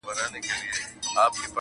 له کتابه یې سر پورته کړ اسمان ته.!